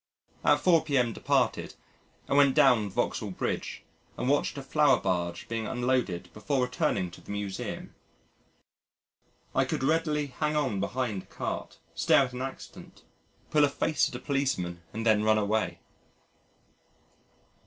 At 4 p.m. departed and went down on Vauxhall Bridge and watched a flour barge being unloaded before returning to the Museum. I could readily hang on behind a cart, stare at an accident, pull a face at a policeman and then run away.